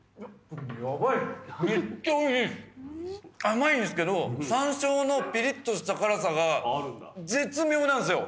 甘いんですけどさんしょうのピリッとした辛さが絶妙なんすよ。